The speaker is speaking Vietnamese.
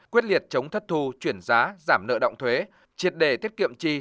quyết liệt chống thất thu chuyển giá giảm nợ động thuế triệt đề tiết kiệm chi